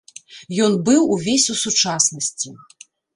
Ён быў увесь у сучаснасці.